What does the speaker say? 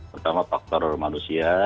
pertama faktor manusia